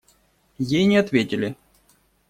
Ей не ответили.